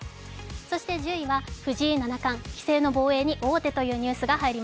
そして１０位は藤井七冠、棋聖の防衛に王手というニュースです。